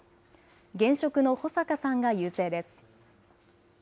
現職の保坂さんが優勢です。